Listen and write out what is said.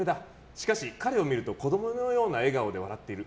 しかし、彼を見ると子供のような笑顔で笑ってる。